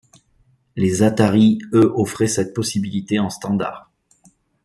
Les Atari eux offraient cette possibilité en standard.